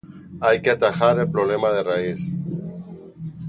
hay que atajar el problema de raíz: